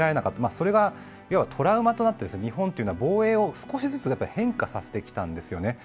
それがトラウマとなって、日本というのは防衛を少しずつ変化させてきたんですね。